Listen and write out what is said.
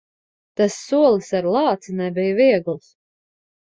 Tas solis ar lāci nebija viegls.